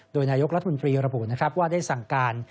โดยนายกรัฐมนตรีระบุนะครับว่าได้สั่งการ